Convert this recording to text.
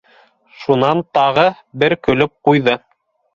Шунан тағы бер көлөп ҡуйҙы: